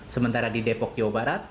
sementara di depok jawa barat